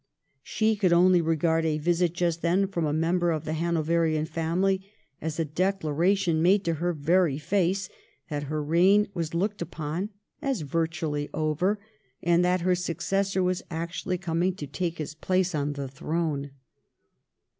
She could only regard a visit just then from a member of the Hanoverian family as a declaration made to her very face that her reign was looked upon as virtually over, and that her successor was actually coming to take his place on the throne.